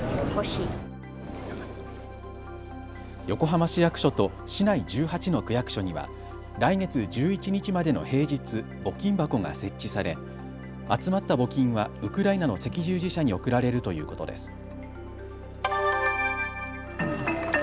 横浜市役所と市内１８の区役所には来月１１日までの平日、募金箱が設置され集まった募金はウクライナの赤十字社に送られるということです。